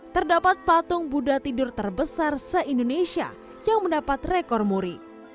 terdapat patung buddha tidur terbesar se indonesia yang mendapat rekor muri